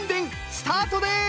スタートです！